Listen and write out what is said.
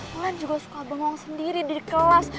kalian juga suka bengong sendiri di kelas